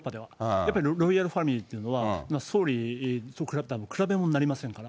やっぱりロイヤルファミリーっていうのは、総理と比べたら、比べ物になりませんから。